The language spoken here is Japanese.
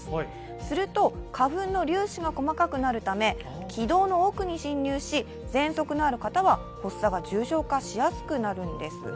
すると花粉の粒子が細かくなるため気道の奥に進入しぜんそくのある方は発作が重症化しやすくなるんです。